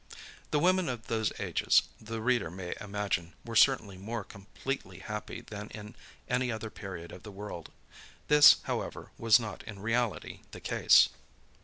The women of those ages, the reader may imagine, were certainly more completely happy than in any other period of the world. This, however, was not in reality the case.